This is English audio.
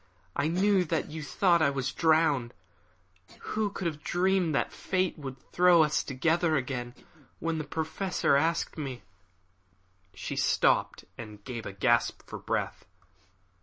I knew that you thought I was drowned. Who could have dreamed that fate would throw us together again! When the Professor asked me " She stopped and gave a gasp for breath.